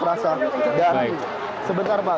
sebentar pak sebentar pak